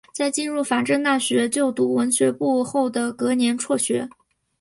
在进入法政大学就读文学部后的隔年辍学。